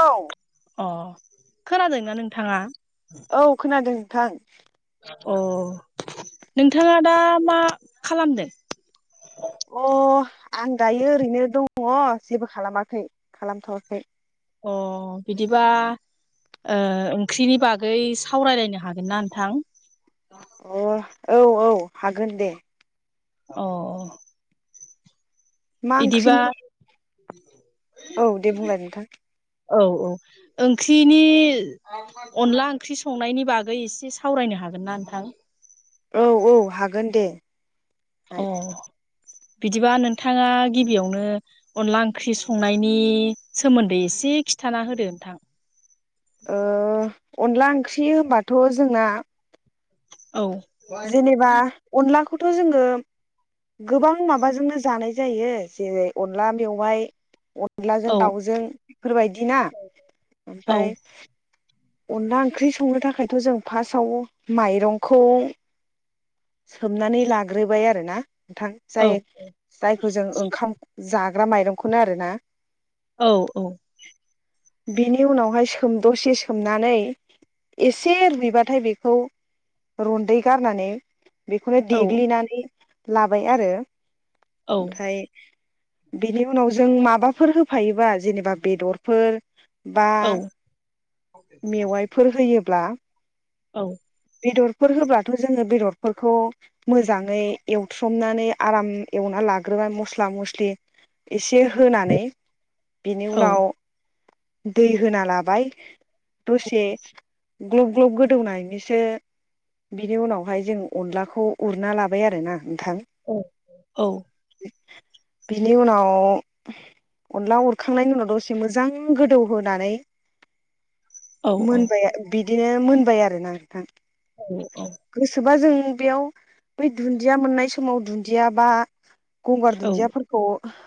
औ। अ' खोनादोंना नोंथांङा? औ खोनादों नोंथां। अ नोंथाङा दा मा खालामदों। अ आं दायो ओरैनो दङ जेबो खालामाखै खालामथ'वाखै। अ बिदिबा। ओ ओंख्रिनि बागै सावरायलायनो हागोनना नोंथां? अ औ औ हागोन दे। अ अ। मा बिदिबा ओंख्रिनि औ दे बुंलाय नोंथां औ औ ओंख्रिनि अनला ओंख्रि संनायनि बागै एसे सावरायनो हाग हागोन ना नोंथां औ औ हागोन दे अ बिदिबा नोंथाङा गिबियावनो अनला ओंख्रि संनायनि सोमोन्दै एसे खि खिथाना होदो नोंथां। ओ अनला ओंख्रि होनबाथ' जोंना औ जेनेबा अनलाखौथ' जोङो गोबां माबाजोंनो जानाय जायो जेरै अनला मेवाइ अनलाजों औ दाउजों बेफोरबायदि ना औ ओमफ्राय अनला ओंख्रि संनो थाखायथ' जों फार्स्टआव माइरंखौ सोमनानै लाग्रोबाय आरोोना नोंथां औ जाय जायखौ जों ओंखाम। जाग्रा माइरंखौनो आरो ना। औ औ। बिनि उनावहाय सोम दसे सोमनानै। एसे रुइबाथाय बेखौ रन्दै गारनानै। बेखौनो औ देग्लिनानै लाबाय आरो औ ओमफ्राय। बेनि उनाव जों माबाफोर होफायोबा जेनेबा बेदरफोर। बा औ मेवाइफोर होयोब्ला। औ। बेदरफोर होब्लाथ' जोङो बेदरफोरखौ मोजाङै एवथ्रमनानै आराम एवना लाग्रोबाय मस्ला-मस्लि एसे होनानै। बिनि औ उनाव दै होना लाबाय दसे। ग्लब ग्लब गोदौनायस। बिनि उनावहाय जों अनलाखौ उरना लाबाय आरो ना औ औ‌। बिनि उनाव अनला अरखांनायनि उनाव दसे मोजां गोदौहोनानै। [inaudible] औ मोनबाय बिदिनो मोनबाय आरोोना नोंथां औ गोसोबा जों। बेयाव बै दुन्दिया मोननाय समाव दुन्दिया बा गंगार औ दुन्दियाफोरखौ।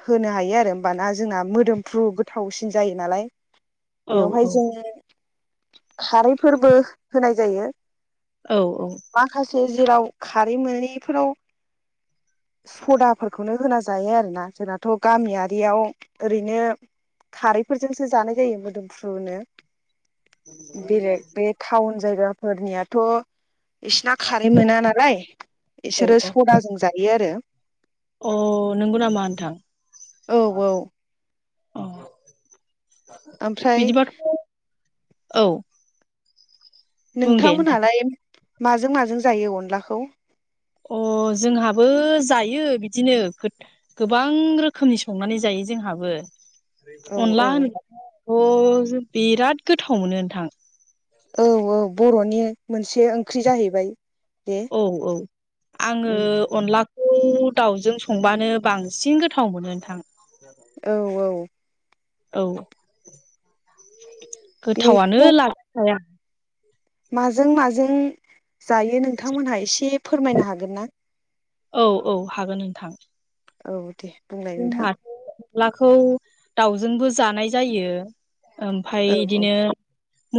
होनो हायो आरो होमबाना जोंना मोदोमफ्रु गोथावसिन जायो नालाय। औ बेवहाय जोङो खारैफोरबो होनाय जायो औ औ। माखासे जेराव खारै मोनैफोराव [inaudible] सदाफोरखौनो होना जायो आरोना जोंनाथ' गामियारियाव ओरैनो खारैफोरजोंसो जानाय जायो मोदोमफ्रुनो। बेलेग बे टाउन जायगाफोरनियाथ'। बिसोरना खारै मोना नालाय औ बिसोरो औ सदाजों जायो आरो अ नंगौ नामा नोंथां औ औ अ ओमफ्राय बिदिबाथ' औ बुं दे नोंथां नोंथांमोनहालाय माजों माजों जायो अनलाखौ? अ जोंहाबो जायो बिदिनो गोबां रोखोमनि संनानै जायो। जोंहाबो औ औ अनला होनोबथ बिराद गोथाव मोनो नोंथां औ औ बर'नि मोनसे ओंख्रि जाहैबाय बे औ औ आङो उम अनला खौ दाउजों संबानो बांसिन गोथाव मोनो नोंथां औ औ औ गोथावानो बेखौ लाखिखाया माजों माजों जायो नोंथांमोनहा एसे फोरमायनो हागोन ना? औ औ हागोन नोंथां औ दे बुंलाय नोंथां जोंहाथ' अनलाखौ दावजोंबो जानाय जायो ओमफाय औ औ बिदिनो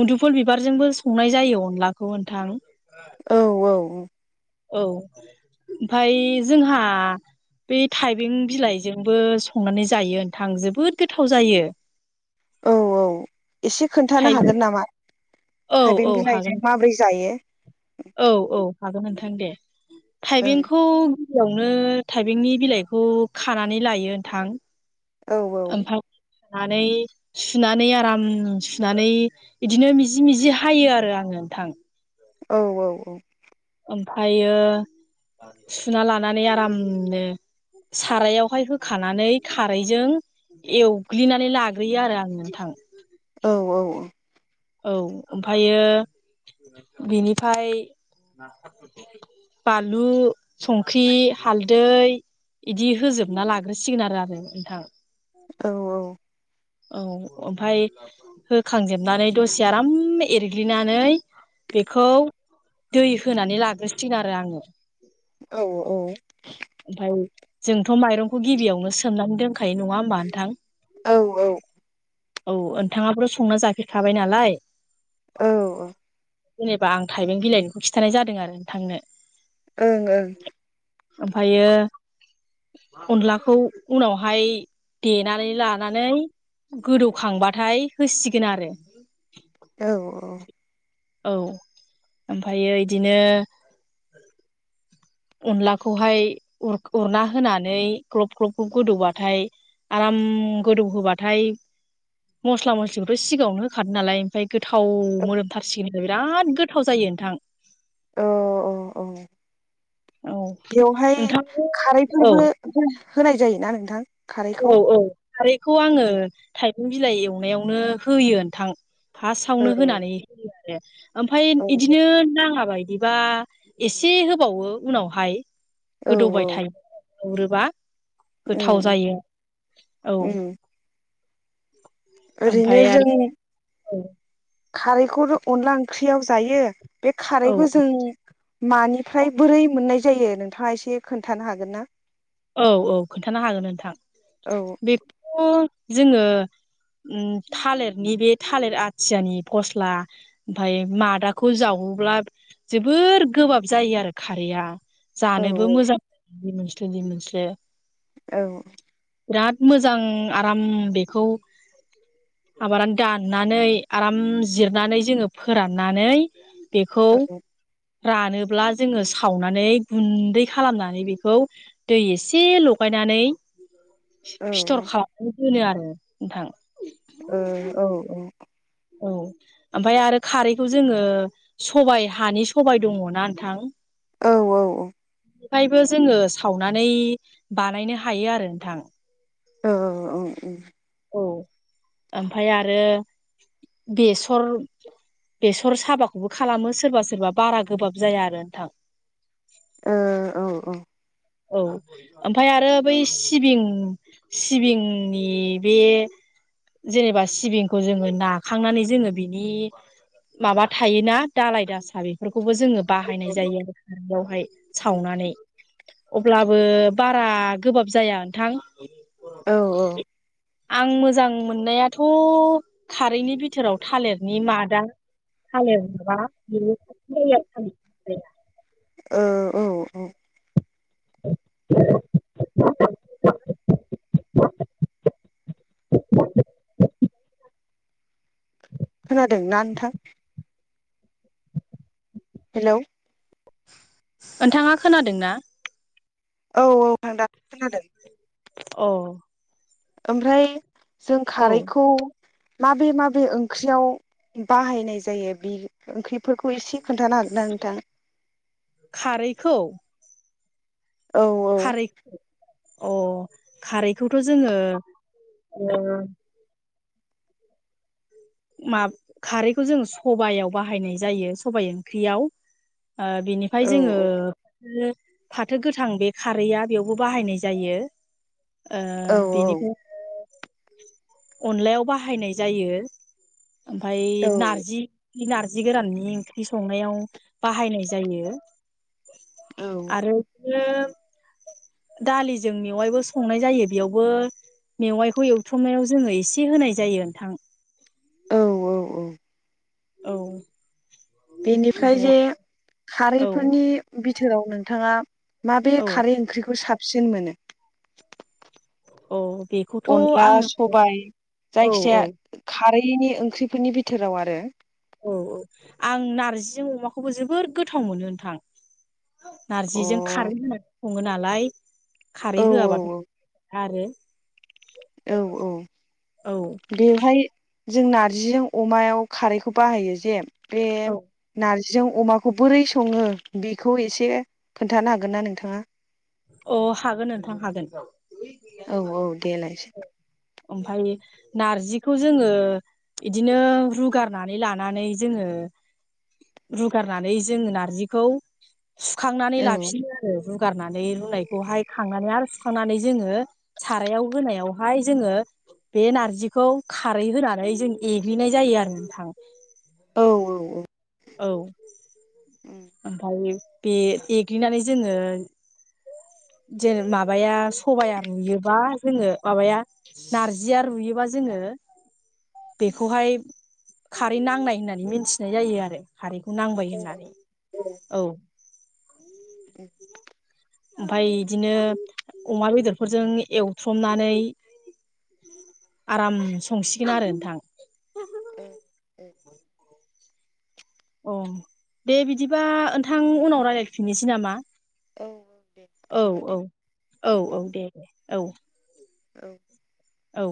मुदुफुल बिबारजोंबो संनाय जायो अनलाखौ नोंथां औ औ औ ओमफ्राय जोंहा बै थाइबें बिलाइजोंबो संनानै जायो नोंथां जोबोद गोथाव जायो औ औ एसे खोन्थानो थाइबें हागोन नामा औ थाइबें औ हागोन बिलाइजों माबोरै जायो औ औ हागोन नोंथां दे ओं थाइबेंखौ गिबियावनो थाइबेंनि बिलाइखौ खानानै लायो नोंथां औ ओमफाय सुनानै सुनानै आराम सुनानै बिदिनो मिजि मिजि हायो आरो आं नोंथां औ औ औ ओमफ्रायो सुना लानानै आरामनो सारायावहाय होखानानै खारैजों एवग्लिनानै लाग्रोयो आरो आं नोंथां। औ औ औ औ ओमफायो बिनिफाय बानलु, संख्रि, हालदै, इदि होजोबना लाग्रोसिगोन आरो नोंथां औ औ औ ओमफ्राय होखांजोबनानै दसे आराम एरग्लिनानै बेखौ दै होनानै लाग्रोसिगोन आरो आङो औ औ ओमफ्राय जोंथ' माइरंखौ गिबियावनो सोमनानै दोनखायो नङा होमबा नोंथां? औ औ औ नोंथांआबोथ'संना जाफेरखाबाय नालाय जेनेबा आं थाइबें बिलाइनिखौ खिन्थानाय जादों आरो नोंथांनो ओं ओं ओमफायो अनलाखौ उनावहाय देनानै लानानै गोदौखांबाथाय होसिगोन आरो औ औ। औ ओमफ्रायो इदिनो अनलाखौहायर उर उरना होनानै ग्रब ग्रब ग्रुब गोदौबाथाय आराम गोदौ होबाथाय मस्ला मस्लिखौथ' सिगाङावनो होखादों नालाय ओमफ्राय गोथाव मोदोमथारसिगोन बिराद गोथाव जायो नोंथां। अ औ औ। औ बेवहाय नोंथां औ खारैफोरबो हो होनाय जायोना नोंथां। औ खारैखौ औ खारैखौ आङो औ थाइबें बिलाइ एवनायावनो होयो नोंथां। फास्टवानो होनानै औ होयो आरो ओमफ्राय इदिनो नाआबाय बिबा एसे होबावो उनावहाय औ गोदौबाय औ थायो। गुरोब्ला गोथाव जायो औ। ओरैनो ओमफ्राय आरो जों औ। खारैखौ' अनला ओंख्रियाव जायो बे खारैखौ जों मानिफ्राय बोरै मोननाय जायो नोंथाङा एसे खोन्थानो हागोन ना? औ औ खोन्थानो हागोन नोंथां औ बेखौ जोङो उ थालिरनि बे थालिर आथियानि फस्ला ओमफ्राय मादाखौ जाव अब्ला जोबोर गोबाब जायो आरो खारैआ। औ जानोबो मोजां रिमोनस्लो रिमोनस्लो। औ। बिराद मोजां आराम बेखौ आबादानो दाननानै आराम जिरनानै जोङो फोराननानै बेखौ रानोब्ला जोङो सावनानै गुन्दै खालामनानै बेखौ दै एसे लगायनानै औ फिथर खालामनानै दोनो आरो नोंथां। ओ औ औ। औ ओमफ्राय आरो खारैखौ जोङो सबायाइ हानि सबायाइ दङना नोंथां। औ औ औ। ओमफ्रायबो जोङो सावनानै बानायनो हायो आरो नोंथां। ओ औ औ उम। औ ओमफ्राय आरो बेसर बेसर साबाखौबो खालामो सोरबा सोरबा बारा गोबाब जाया आरो नोंथां। ओ औ औ। औ ओमफ्राय आरो बै सिबिं सिबिंनि बे जेनेबा सिबिंखौ जोङो नाखांनानै जोङो बिनि माबा थायोना दाालाय दासा बेफोरख खौबो जोङो बाहायनाय जायो आरो बेवहाय सावनानै अब्लाबो बारा गोबाब जाया नोंथां। औ औ। आं मोजां मोननायाथ' खारैनि बिथोराव थालिरनि मादा। हालबा [unintelligible] ओ औ औ [unintelligible] [inaudible] खोनादों ना नोंथां? हेलौ। ओनथांङा खोनादों ना? औ औ आं दा खोनादों। अह ओमफ्राय जों खारैखौ माबे माबे ओंख्रियाव बाहायनाय जायो बे ओंख्रिफोरखौ एसे खोन्थानो हागोनना नोंथां। खारैखौ औ औ खारै अ खारैखौथ' जोंङो ओ मा खारैखौ जों सबायाव बाहायनाय जायो सबाय ओंख्रियाव। ओ बिनिफ्राय औ जोंङो रो फाथो गोथां बे खारैआ बेयावबो बाहायनाय जायो। ओ औ बिनिफ्राय अनलायाव बाहायनाय जायो। ओमफाय नारजि नारजि गोराननि ओंख्रि संनायाव बाहायनाय जायो। औ आरो इदिनो दालिजों बेवायबो संनाय जायो बेयावबो मेवाइखौ एवथ्रमनायाव जोंङो एसे होनाय जायो नोंथां। औ औ औ औ बेनिफ्राय ओमफाय जे औ खारैफोरनि बिथोराव नोंथांङा माबे औ खारै ओंख्रिखौ साबसिन मोनो? औ बेखौथ' अनला, आङो सबाय औ औ जायखिजाया खारै ख्रिनि ओंख्रिफोरनि बिथोराव आरो। औ औ आं नारजिजों अमा खौबो जोबोर गोथाव मोनो नोंथा। अ नारजिजों खारै होननानै संङो नालाय औ खारै होआबाथ' औ आरो औ औ बेहाय जों नारजिजों अमायाव खारैखौ बाहायो जे बे औ नारजि जों अमाखौ बोरै संङो बेखौ एसे खोन्थानो हागोन ना नोंथांङा? अ हागोन नोंथां हागोन। औ औ देलाय ओमफाय नारजिखौ जोंङो बिदिनो रुगारनानै लानानै जोंङो रुगारनानै जोंङो नारजिखौ सुखांनानै औ लाफिनो आरो रुगारना नै रुनायखौहाय खांनानै आरो सुखांनानै जोंङो सारायाव होनायावहाय जोंङो बे नारजिखौ खारै होनानै जों एग्लिनाय जायो आरो नोंथां। औ औ ए एग्लिनानै जोंङो जेने माबाया सबाइआ रुयोबा जोंङो माबाया नारजिया रुयोबा जों [unintelligible] बेखौहाय खारै नांनाय होननानै मिथिनाय जायो आरो खारै नांबाय होननानै, औ ए ओमफाय इदिनो अमा बेदरफोरजों एवथ्रमनानै आराम संसिगोन आरो नोंथां। ओ ओ अ दे बिदिबा नोंथां उनाव रायज्लायफिननोसै नामा? औ दे औ बिदिबा दे औ औ औ दे दे औ औ औ